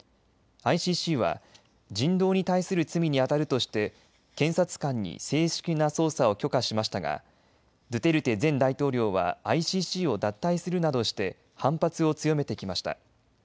ＩＣＣは人道に対する罪にあたるとして検察官に正式な捜査を許可しましたがドゥテルテ前大統領はＩＣＣを脱退するなどして反発を強めてきました。